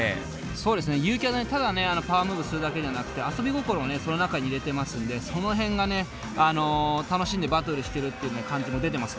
そうですねＹＵ−ＫＩはただねパワームーブするだけじゃなくて遊び心をその中に入れてますんでその辺がね楽しんでバトルしてるっていう感じも出てます。